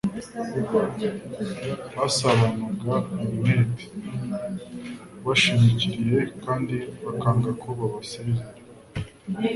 Basabanaga umwete bashimikiriye kandi bakanga ko babasezerera;